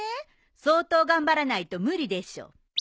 相当頑張らないと無理でしょ。